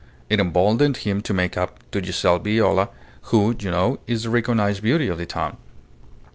It emboldened him to make up to Giselle Viola, who, you know, is the recognized beauty of the town.